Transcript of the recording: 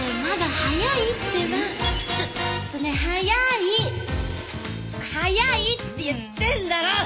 早いって言ってんだろ！